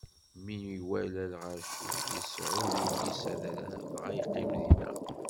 Mi iwala lɣaci, Yasuɛ yuli s adrar dɣa yeqqim dinna.